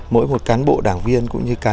mỗi một cán bộ đảng viên cũng như cán bộ chiến sĩ